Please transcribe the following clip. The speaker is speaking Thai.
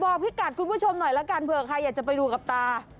พี่กัดคุณผู้ชมหน่อยละกันเผื่อใครอยากจะไปดูกับตา